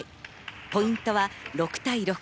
ポイントは６対６。